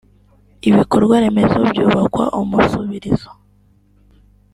ibikorwa remezo byubakwa umusubirizo